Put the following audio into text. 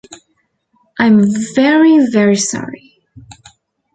I am very, very sorry.